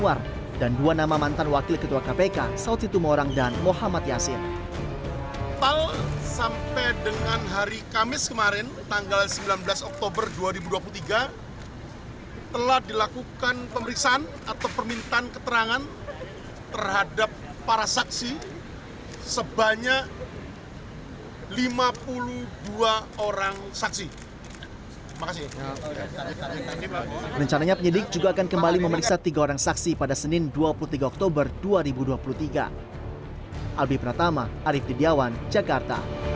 firly yang sebelumnya dijadwalkan hadir pada jumat pukul empat belas siang menyatakan ketidakhadirannya melalui surat yang dikirimkan oleh staff fungsional birohukum kpk